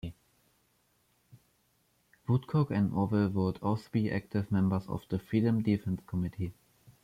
Woodcock and Orwell would both also be active members of the Freedom Defence Committee.